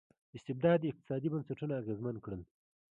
استبداد اقتصادي بنسټونه اغېزمن کړل.